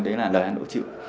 đấy là lời hành động chịu